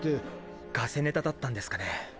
ガセネタだったんですかね。